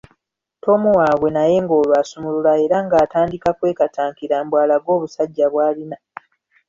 Tom waabwe naye ng'olwo asumulula" era ng'atandika kwekatankira mbu alage "obusajja" bw’alina.